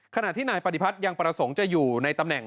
ขณะที่นายปฏิพัฒน์ยังประสงค์จะอยู่ในตำแหน่ง